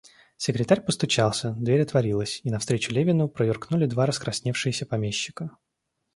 Секретарь постучался, дверь отворилась, и навстречу Левину проюркнули два раскрасневшиеся помещика.